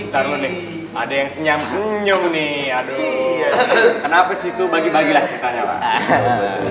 taruh nih ada yang senyam senyum nih aduh kenapa situ bagi bagi lah ceritanya pak